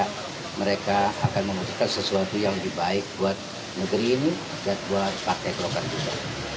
karena mereka akan memutuskan sesuatu yang lebih baik buat negeri ini dan buat partai golkar juga